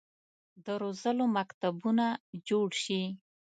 د روزلو مکتبونه جوړ شي.